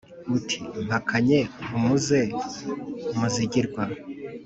Uti: mpakanye umuze Muzigirwa